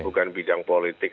bukan bidang politik